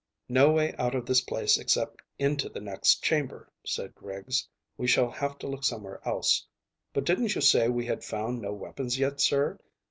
"No way out of this place except into the next chamber," said Griggs. "We shall have to look somewhere else. But didn't you say we had found no weapons yet, sir?"